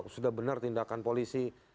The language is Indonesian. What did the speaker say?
sudah benar tindakan polisi